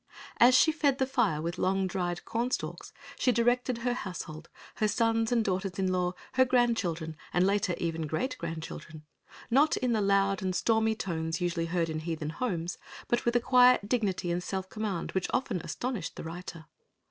As she fed the fire with long, dried corn stalks she directed her household, her sons and daughters in law, her grand children, and later even great grand children, not in the loud and stormy tones usually heard in heathen homes, but with a quiet dignity and self command which often astonished the writer.